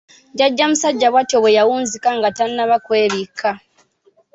Jjajja musajja bw'atyo bwe yawunzika nga tannaba kwebikka.